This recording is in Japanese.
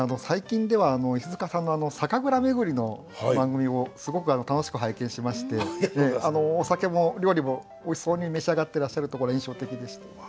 最近では石塚さんの酒蔵巡りの番組をすごく楽しく拝見しましてお酒も料理もおいしそうに召し上がってらっしゃるところが印象的でした。